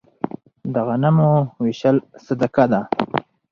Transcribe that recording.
د غنمو ویشل صدقه ده.